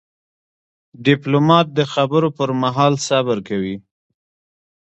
ډيپلومات د خبرو پر مهال صبر کوي.